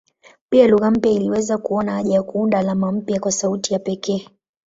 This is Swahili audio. Pia lugha mpya iliweza kuona haja ya kuunda alama mpya kwa sauti ya pekee.